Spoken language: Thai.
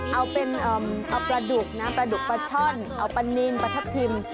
เอาเป็นเอาปลาดุกนะปลาดุกปลาช่อนเอาปลานินปลาทับทิม